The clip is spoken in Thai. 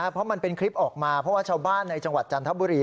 เพราะมันเป็นคลิปออกมาเพราะว่าชาวบ้านในจังหวัดจันทบุรี